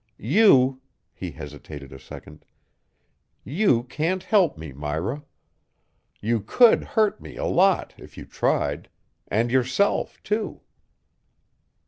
You," he hesitated a second, "you can't help me, Myra. You could hurt me a lot if you tried and yourself too."